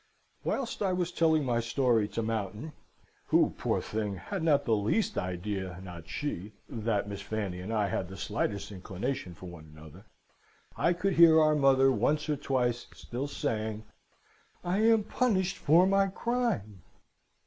Whilst I was telling my story to Mountain (who, poor thing, had not the least idea, not she, that Miss Fanny and I had the slightest inclination for one another), I could hear our mother once or twice still saying, 'I am punished for my crime!'